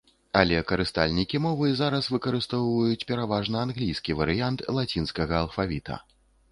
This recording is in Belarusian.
Але карыстальнікі мовы зараз выкарыстоўваюць пераважна англійскі варыянт лацінскага алфавіта.